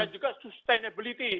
dan juga sustainability